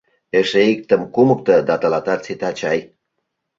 Эше иктым кумыкто да тылатат сита чай.